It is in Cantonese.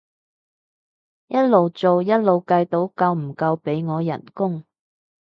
一路做一路計到夠唔夠俾我人工